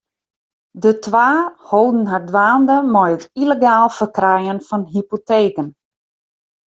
De twa holden har dwaande mei it yllegaal ferkrijen fan hypoteken.